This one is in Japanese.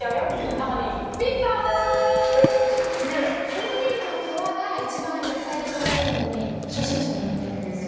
タマネギの皮が一番野菜で染めるのに初心者に向いてるんですよ。